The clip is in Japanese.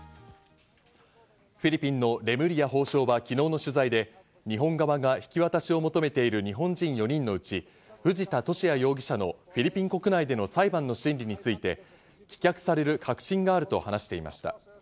フィリピンのレムリヤ法相は昨日の取材で、日本側が引き渡しを求めている日本人４人のうち、藤田聖也容疑者のフィリピン国内での裁判について、棄却される確信があると話しています。